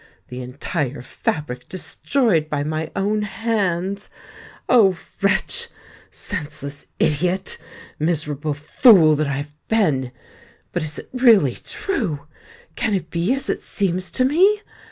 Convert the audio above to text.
The entire fabric destroyed by my own hands! Oh! wretch—senseless idiot—miserable fool that I have been! But is it really true?—can it be as it seems to me?